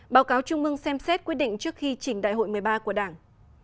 báo cáo trung mương xem xét quyết định trước khi chỉnh đại hội một mươi ba của đảng